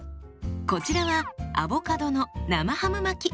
こちらはアボカドの生ハム巻き。